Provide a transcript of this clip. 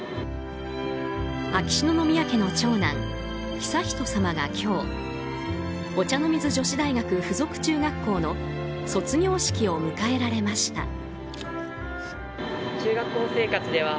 秋篠宮家の長男・悠仁さまが今日お茶の水女子大学附属中学校の卒業式を迎えられました。